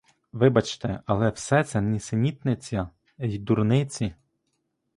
Вибачте, але все це нісенітниця й дурниці.